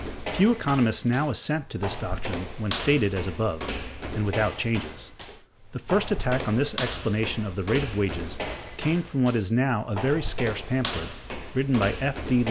Few economists now assent to this doctrine when stated as above, and without changes. The first attack on this explanation of the rate of wages came from what is now a very scarce pamphlet, written by F. D.